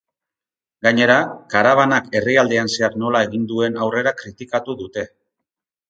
Gainera, karabanak herrialdean zehar nola egin duen aurrera kritikatu dute.